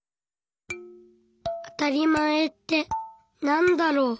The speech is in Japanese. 「あたりまえってなんだろう」。